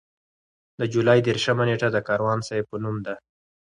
د جولای دېرشمه نېټه د کاروان صیب په نوم ده.